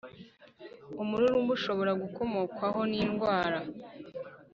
umururumba ushobora gukomokwaho nindwara